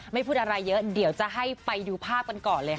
พูดอะไรเยอะเดี๋ยวจะให้ไปดูภาพกันก่อนเลยค่ะ